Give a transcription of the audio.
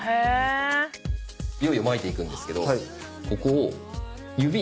いよいよまいていくんですけどここを。